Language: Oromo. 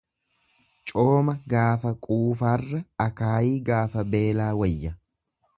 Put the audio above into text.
Cooma gaafa quufaarra akaayii gaafa beelaa wayya.